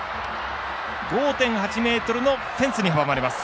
５．８ｍのフェンスに阻まれます。